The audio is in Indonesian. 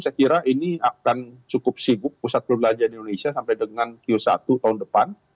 saya kira ini akan cukup sibuk pusat perbelanjaan indonesia sampai dengan q satu tahun depan